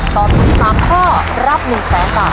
ตอบถูกสามข้อรับหนึ่งแสนบาท